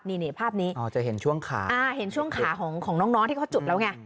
นี่นี่ภาพนี้อ๋อจะเห็นช่วงขาอ่าเห็นช่วงขาของน้องน้องที่เขาจุดแล้วไง